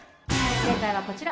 正解はこちら。